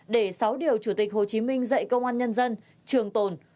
để sáu điều chủ tịch hồ chí minh dạy công an nhân dân trường tồn